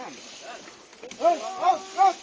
โน้ท